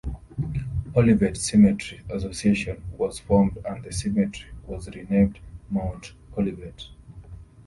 Olivet Cemetery Association was formed and the cemetery was renamed Mount Olivet.